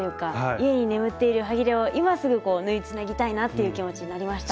家に眠っているはぎれを今すぐ縫いつなぎたいなという気持ちになりました。